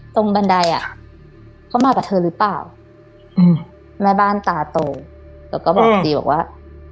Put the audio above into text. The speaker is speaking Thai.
บันไดอ่ะเขามากับเธอหรือเปล่าอืมแม่บ้านตาโตแล้วก็บอกดีบอกว่า